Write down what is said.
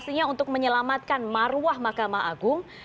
pastinya untuk menyelamatkan marwah mahkamah agung